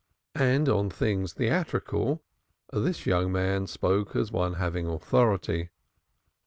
And on things theatrical this young man spoke as one having authority.